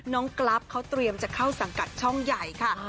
กรัฟเขาเตรียมจะเข้าสังกัดช่องใหญ่ค่ะ